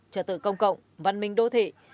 trật tự công cộng văn minh đô thị